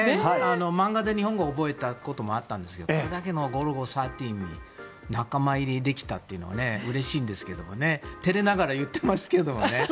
漫画で日本語を覚えたこともあったんですがこれだけの「ゴルゴ１３」に仲間入りできたということがうれしいんですけど照れながら言ってますけどね。